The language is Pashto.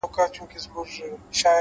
د تمرکز ځواک هدف روښانه ساتي؛